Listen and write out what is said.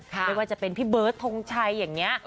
ไม่ว่าจะเป็นพี่เบิร์ดทงชัยอย่างนี้